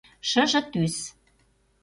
Шыже тӱс.